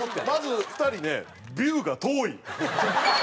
まず２人ねビューが遠い。